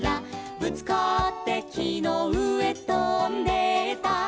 「ぶつかってきのうえとんでった」